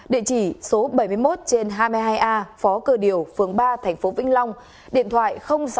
địa chỉ số bảy mươi một trên hai mươi hai a phó cờ điều phường ba tp vĩnh long điện thoại sáu mươi chín ba trăm bảy mươi sáu nghìn hai trăm tám mươi tám